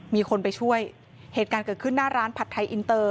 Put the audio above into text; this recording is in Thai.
มีคนไปช่วยเหตุการณ์เกิดขึ้นหน้าร้านผัดไทยอินเตอร์